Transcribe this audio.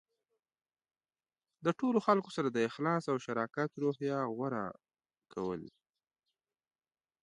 د ټولو خلکو سره د اخلاص او شراکت روحیه غوره کول.